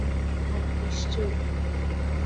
হ্যাঁ, নিশ্চয়ই।